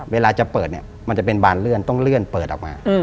เวลาจะเปิดเนี่ยมันจะเป็นบานเลื่อนต้องเลื่อนเปิดออกมา